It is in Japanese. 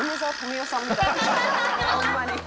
ホンマに。